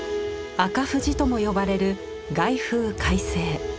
赤富士とも呼ばれる「凱風快晴」。